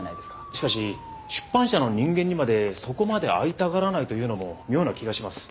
しかし出版社の人間にまでそこまで会いたがらないというのも妙な気がします。